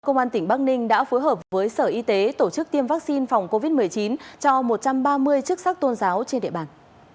công an tỉnh bắc ninh đã phối hợp với sở y tế tổ chức tiêm vaccine phòng covid một mươi chín cho một trăm ba mươi chức sắc tôn giáo trên địa bàn